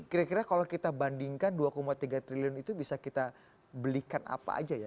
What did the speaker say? kira kira kalau kita bandingkan dua tiga triliun itu bisa kita belikan apa aja ya